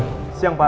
selamat siang pak